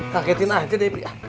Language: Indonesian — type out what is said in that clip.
sakitin aja debi